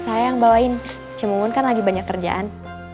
sayang bawain cemungun kan lagi banyak kerjaan